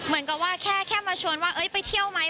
เหมือนกับว่าแค่มาชวนว่าไปเที่ยวไหม